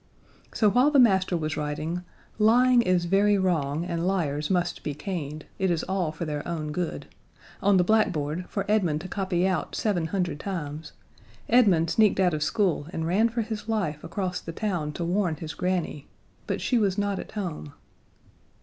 So while the master was writing Lying is very wrong, and liars must be caned. It is all for their own good on the black board for Edmund to copy out seven hundred times, Edmund sneaked out of school and ran for his life across the town to warn his granny, but she was not at home.